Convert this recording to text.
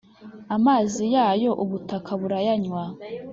amazi yayo ubutaka burayanywa,